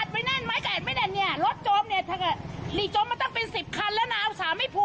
มันต้องเป็น๑๐คันแล้วนะอาวุษาไม่พูด